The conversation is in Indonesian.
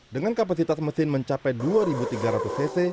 dengan kapasitas mesin mencapai dua tiga ratus cc